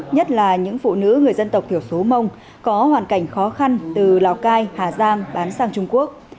nhất là những phụ nữ người dân tộc thiểu số mông có hoàn cảnh khó khăn từ lào cai hà giang bán sang trung quốc